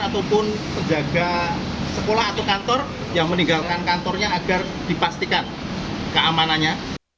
ataupun penjaga sekolah atau kantor yang meninggalkan kantornya agar dipastikan keamanannya